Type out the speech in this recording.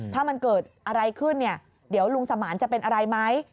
ถ้ามันเกิดอะไรขึ้นเนี่ยเดี๋ยวลุงสมานจะเป็นอะไรไหม